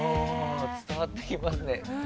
伝わってきますね。